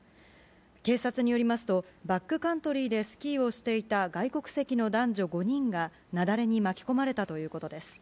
警察によりますと、バックカントリーでスキーをしていた外国籍の男女５人が、雪崩に巻き込まれたということです。